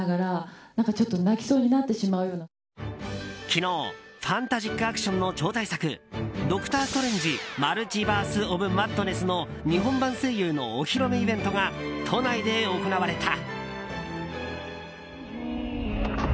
昨日ファンタジック・アクションの超大作「ドクター・ストレンジ／マルチバース・オブ・マッドネス」の日本版声優のお披露目イベントが都内で行われた。